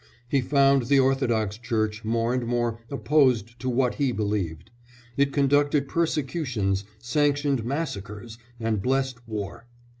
He found the Orthodox Church more and more opposed to what he believed: it conducted persecutions, sanctioned massacres, and blessed war.